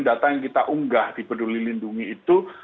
data yang kita unggah di peduli lindungi itu